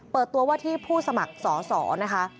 เปิดตัวว่าที่ผู้สมัครสอสอนะคะ